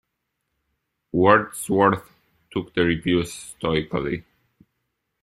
Wordsworth took the reviews stoically.